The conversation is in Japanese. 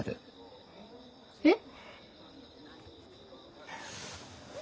えっ？